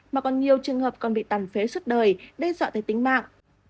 mà còn nhiều trường hợp còn bị tàn phế suốt đời đe dọa tới tính mạng